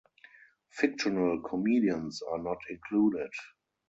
Fictional comedians are not included.